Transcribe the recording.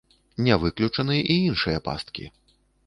Не выключаны і іншыя пасткі.